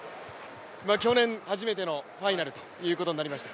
去年、初めてのファイナルということになりました。